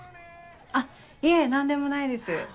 あっいえ何でもないです。